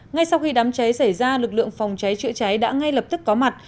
ngay sau khi đám cháy xảy ra lực lượng phòng cháy chữa cháy đã ngay lập tức có mặt